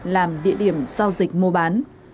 làm địa điểm giao dịch mua bán